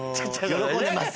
喜んでます。